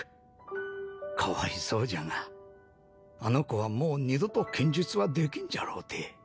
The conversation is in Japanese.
かわいそうじゃがあの子はもう二度と剣術はできんじゃろうて。